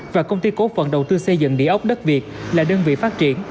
và công ty cổ phận đầu tư xây dựng địa ốc đất việt là đơn vị phát triển